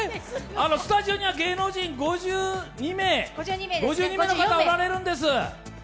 スタジオには芸能人５２名の方おられるんです。